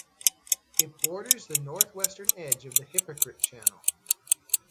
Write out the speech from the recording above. It borders the northwestern edge of the Hypocrite Channel.